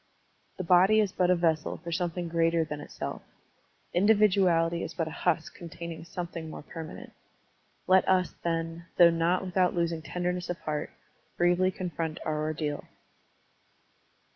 The body is but a vessel for something greater than itself. Individuality is but a husk contain ing something more permanent. Let us, then, though not without losing tenderness of heart, bravely confront our ordeal.